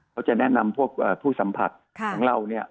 เขาจะแนะนำพวกผู้สัมผัสของเราเนี่ย